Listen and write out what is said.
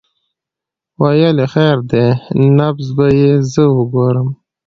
ويې ويل خير دى نبض به يې زه وګورم.